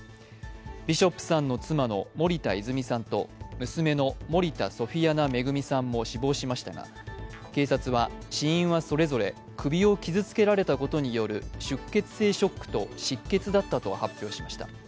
ビショップさんの妻の森田泉さんと娘の森田ソフィアナ恵さんも死亡しましたが警察は死因はそれぞれ首を傷つけられたことによる出血性ショックと失血だったと発表しました。